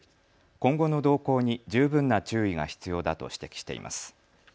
今後の動向に十分な注意が必要だと指摘しています。